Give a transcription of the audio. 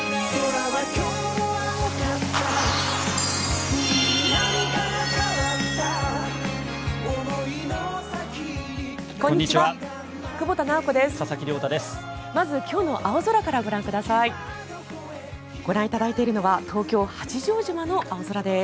ご覧いただいているのは東京・八丈島の空です。